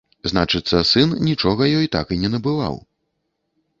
Значыцца, сын нічога ёй так і не набываў.